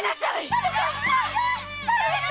誰か！